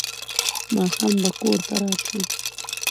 ماښام به کور ته راتلو.